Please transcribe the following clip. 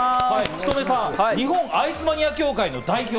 福留さんは日本アイスマニア協会の代表。